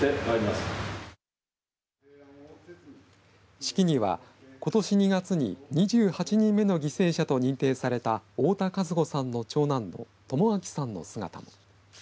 式にはことし２月に２８人目の犠牲者と認定された太田和子さんの長男の朋晃さんの姿も。